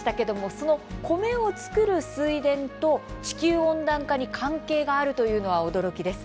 その米を作る水田と地球温暖化に関係があるというのは驚きです。